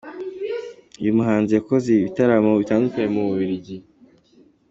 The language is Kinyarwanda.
Uyu muhanzi yakoze ibitaramo bitandukanye mu Bubiligi